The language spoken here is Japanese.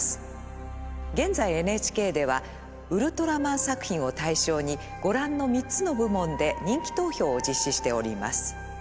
現在ＮＨＫでは「ウルトラマン」作品を対象にご覧の３つの部門で人気投票を実施しております。